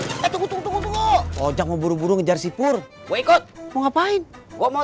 eh tunggu tunggu tunggu ojak mau buru buru ngejar sipur gue ikut mau ngapain gua mau